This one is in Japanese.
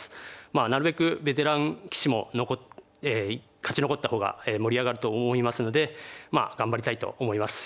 なるべくベテラン棋士も勝ち残った方が盛り上がると思いますので頑張りたいと思います。